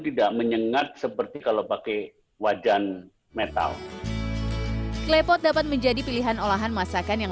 tidak menyengat seperti kalau pakai wajan metal klepot dapat menjadi pilihan olahan masakan yang